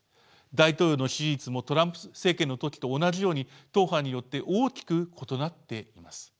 大統領の支持率もトランプ政権の時と同じように党派によって大きく異なっています。